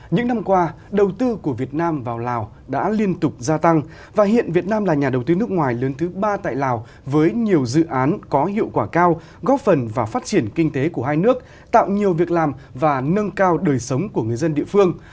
những năm qua đầu tư của việt nam vào lào đã liên tục gia tăng và hiện việt nam là nhà đầu tư nước ngoài lớn thứ ba tại lào với nhiều dự án có hiệu quả cao góp phần vào phát triển kinh tế của hai nước tạo nhiều việc làm và nâng cao đời sống của người dân địa phương